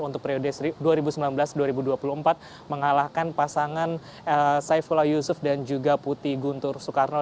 untuk periode dua ribu sembilan belas dua ribu dua puluh empat mengalahkan pasangan saifullah yusuf dan juga putih guntur soekarno